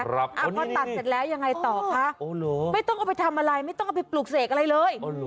พอตัดเสร็จแล้วยังไงต่อคะไม่ต้องเอาไปทำอะไรไม่ต้องเอาไปปลูกเสกอะไรเลย